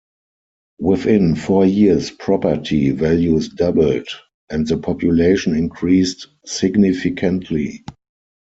Within four years property values doubled, and the population increased significantly.